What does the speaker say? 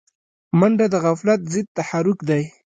منډه د غفلت ضد تحرک دی